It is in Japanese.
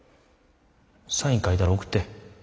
サイン書いたら送って。